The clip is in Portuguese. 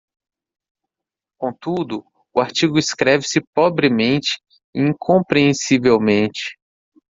Contudo? o artigo escreve-se pobremente e incompreensivelmente.